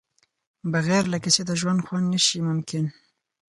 بغیر له کیسې د ژوند خوند نشي ممکن.